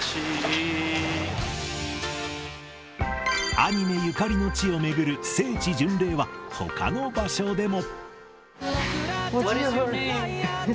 アニメゆかりの地を巡る聖地巡礼は、ほかの場所でも。